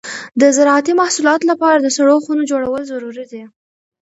د زراعتي محصولاتو لپاره د سړو خونو جوړول ضروري دي.